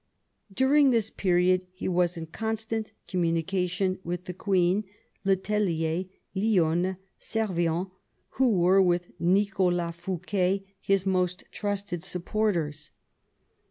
During this period he was in constant communication with the queen, le Tellier, Lionne, Servien, who were, with Nicholas Fouquet, his most trusted supporters.